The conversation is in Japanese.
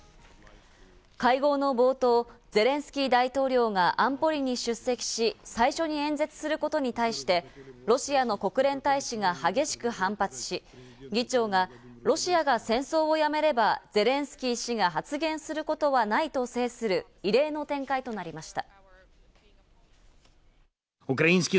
会合の冒頭、ゼレンスキー大統領が安保理に出席し、最初に演説することに対して、ロシアの国連大使が激しく反発し、議長がロシアが戦争をやめれば、ゼレンスキー氏が発言することはないと制する異例の展開となりました。